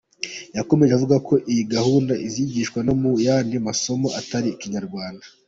Yakomeje avuga ko iyi gahunda izigishwa no mu yandi masomo atari ikinyarwanda.